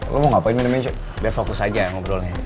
lo mau ngapain minum meja biar fokus aja ngobrolnya